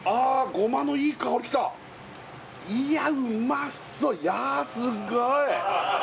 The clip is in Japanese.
ゴマのいい香りきたいやうまそうやあすごい！